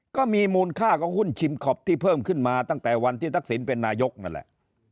ก็มีมูลค่าของหุ้นชิมคอปที่เพิ่มขึ้นมาตั้งแต่วันที่ทักษิณเป็นนายกนั่นแหละ